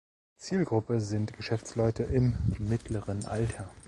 Zielgruppe sind Geschäftsleute im mittleren Alter.